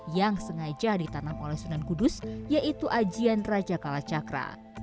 yang sengaja ditanam oleh sunan kudus yaitu ajian raja kalacakra